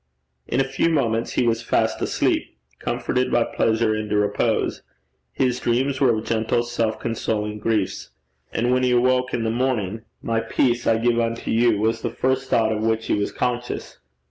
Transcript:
In a few moments he was fast asleep, comforted by pleasure into repose; his dreams were of gentle self consoling griefs; and when he awoke in the morning 'My peace I give unto you,' was the first thought of which he was conscious.